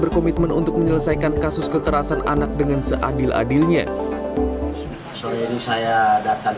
berkomitmen untuk menyelesaikan kasus kekerasan anak dengan seadil adilnya sore ini saya datang